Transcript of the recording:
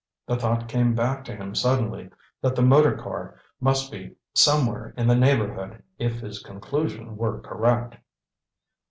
The thought came back to him suddenly that the motor car must be somewhere in the neighborhood if his conclusion were correct.